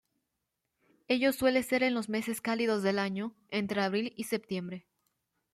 Ello suele ser en los meses cálidos del año, entre abril y septiembre.